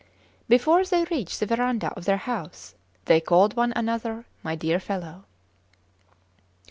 ... Before they reached the verandah of their house they called one another my dear fellow.